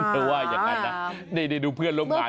ว่าอย่างนั้นนะนี่ดูเพื่อนร่วมงาน